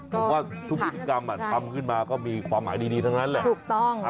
ผมว่าทุกพิธีกรรมทำขึ้นมาก็มีความหมายดีทั้งนั้นแหละ